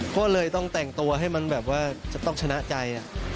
ก็เลยต้องแต่งตัวให้มันแบบว่าจะต้องชนะใจ